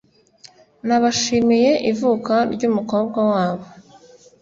nabashimiye ivuka ryumukobwa wabo